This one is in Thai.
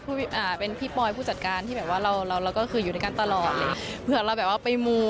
รู้เลยแล้วคุณผู้ชมว่าสวยตลกกับแพงมันเป็นยังไง